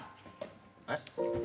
えっ？